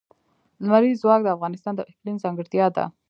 لمریز ځواک د افغانستان د اقلیم ځانګړتیا ده.